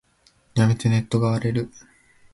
やめて、ネットが荒れる。